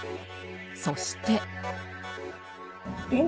そして。